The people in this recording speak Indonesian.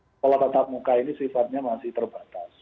sekolah tatap muka ini sifatnya masih terbatas